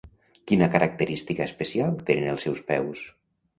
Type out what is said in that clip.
Quina característica especial tenen els seus peus?